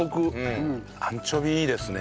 アンチョビいいですね。